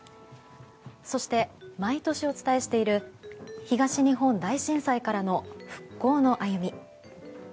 そして毎年お伝えしている東日本大震災からの復興の歩み。